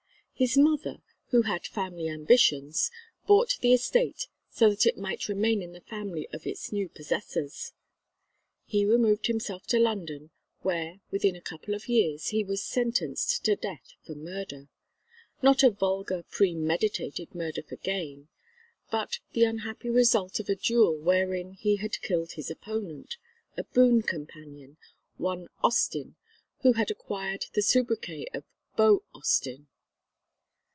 His mother, who had family ambitions, bought the estate so that it might remain in the family of its new possessors. He removed himself to London where within a couple of years he was sentenced to death for murder not a vulgar premeditated murder for gain, but the unhappy result of a duel wherein he had killed his opponent, a boon companion, one Austin who had acquired the soubriquet of "Beau" Austin.